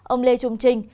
ông lê trung trinh